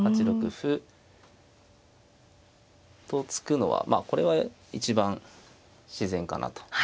８六歩と突くのはまあこれは一番自然かなと。